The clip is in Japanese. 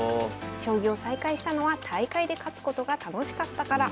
将棋を再開したのは大会で勝つことが楽しかったから。